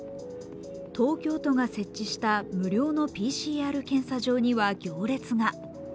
東京都が設置した無料のＰＣＲ検査場には行列が。